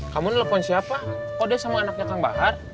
kamu nelfon siapa kok dia sama anaknya kang bahar